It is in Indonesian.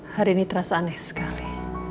hari ini terasa aneh sekali